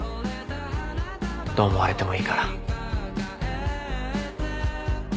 どう思われてもいいから。